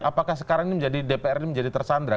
apakah sekarang ini menjadi dpr ini menjadi tersandra